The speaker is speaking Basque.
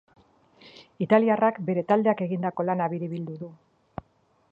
Italiarrak bere taldeak egindako lana biribildu du.